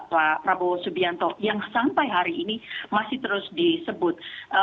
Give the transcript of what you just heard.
pak prabowo subianto yang sampai hari ini masih terus disebut